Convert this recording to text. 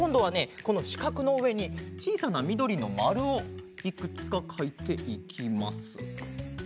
このしかくのうえにちいさなみどりのまるをいくつかかいていきます。